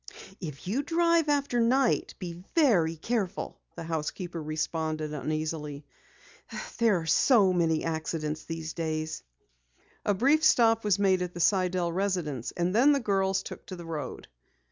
"If you drive after night, be very careful," the housekeeper responded uneasily. "There are so many accidents these days." A brief stop was made at the Sidell residence, and then the girls took to the road.